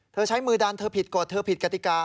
ใช้มือดันเธอผิดกฎเธอผิดกติกา